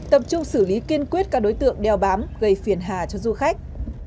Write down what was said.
tập trung xử lý kiên quyết các đối tượng đeo bám gây phiền hà cho du khách